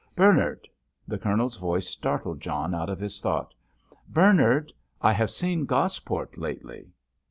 "Bernard!" The Colonel's voice startled John out of his thought. "Bernard, I have seen Gosport lately."